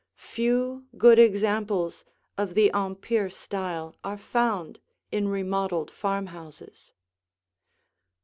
Few good examples of the Empire style are found in remodeled farmhouses.